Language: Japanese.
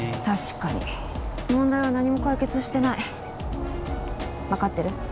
確かに問題は何も解決してない分かってる？